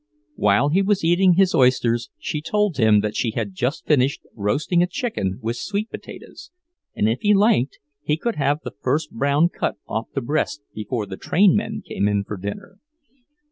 While he was eating his oysters she told him that she had just finished roasting a chicken with sweet potatoes, and if he liked he could have the first brown cut off the breast before the train men came in for dinner.